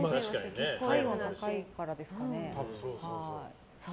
体温高いからですかね。